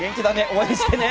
応援してね！